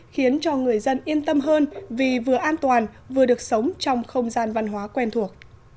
khiến cho người dân yên tâm hơn vì vừa an toàn vừa được sống trong không gian văn hóa quen thuộc